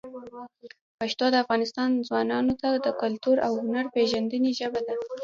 پښتو د افغانستان ځوانانو ته د کلتور او هنر پېژندنې ژبه ده.